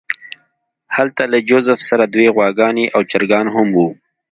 هلته له جوزف سره دوې غواګانې او چرګان هم وو